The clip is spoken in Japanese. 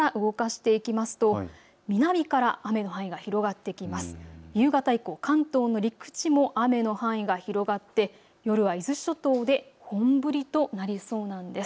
夕方以降、関東の陸地も雨の範囲が広がって夜は伊豆諸島で本降りとなりそうなんです。